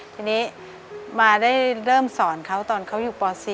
ทีนี้มาได้เริ่มสอนเขาตอนเขาอยู่ป๔